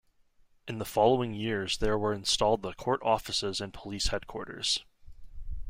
In the following years there were installed the court offices and police headquarters.